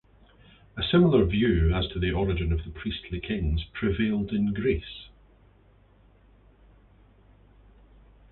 A similar view as to the origin of the priestly kings prevailed in Greece.